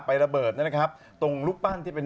ไประเบิดนะครับตรงรูปปั้นที่เป็น